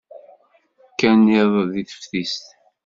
Kkant iḍ deg teftist.